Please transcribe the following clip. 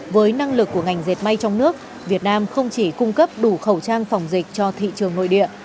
với năng lực của ngành dệt may trong nước việt nam không chỉ cung cấp đủ khẩu trang phòng dịch cho thị trường nội địa